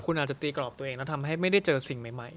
คุณอาจจะตีกรอบตัวเองแล้วทำให้ไม่ได้เจอสิ่งใหม่